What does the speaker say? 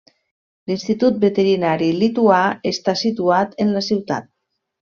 L'institut veterinari lituà està situat en la ciutat.